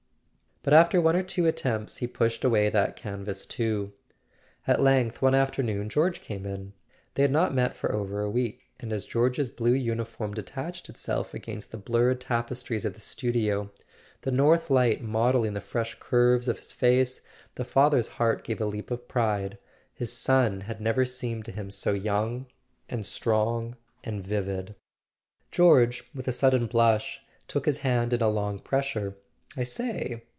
But after one or two attempts he pushed away that canvas too. At length one afternoon George came in. They had not met for over a week, and as George's blue uniform detached itself against the blurred tapestries of the studio, the north light modelling the fresh curves of his face, the father's heart gave a leap of pride. His son had never seemed to him so young and strong and vivid. George, with a sudden blush, took his hand in a long pressure. "I say.